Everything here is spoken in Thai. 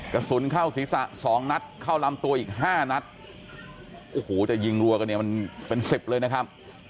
กระสุนเข้าศีรษะสองนัดเข้าลำตัวอีกห้านัดโอ้โหจะยิงรัวกันเนี่ยมันเป็นสิบเลยนะครับ